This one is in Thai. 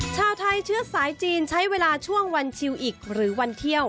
ชาวไทยเชื้อสายจีนใช้เวลาช่วงวันชิวอีกหรือวันเที่ยว